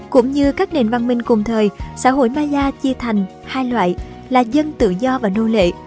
cũng như các nền văn minh cùng thời xã hội maya chia thành hai loại là dân tự do và nô lệ